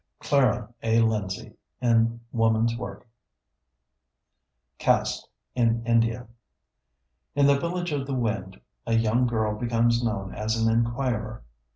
(Clara A. Lindsay in Woman's Work.) CASTE IN INDIA In the village of the Wind a young girl became known as an enquirer.